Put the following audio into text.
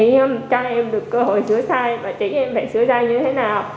để cho em được cơ hội sửa sai và chỉ em phải sửa ra như thế nào